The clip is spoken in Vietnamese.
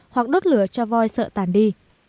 bắt lửa cho voi sợ tàn đi